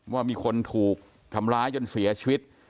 ว่ามีคนถูกทำร้ายจนเสียชีวิต